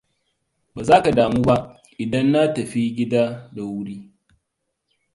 Ba za ka damu ba idan na tafi gida da wuri?